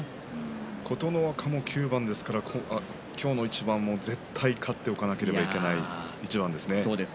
琴ノ若も９番ですから今日の一番は絶対に勝っておかなければいけない一番ですね。